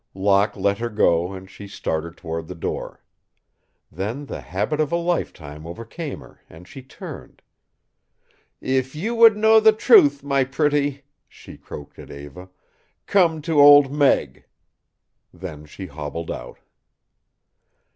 Locke let her go and she started toward the door. Then the habit of a lifetime overcame her and she turned. "If you would know the truth, my pretty," she croaked at Eva, "come to Old Meg." Then she hobbled out.